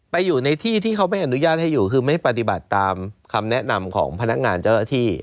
อยู่ในที่ที่เขาไม่อนุญาตให้อยู่คือไม่ปฏิบัติตามคำแนะนำของพนักงานเจ้าหน้าที่